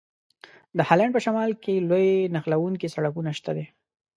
د هالند په شمال کې لوی نښلوونکي سړکونه شته دي.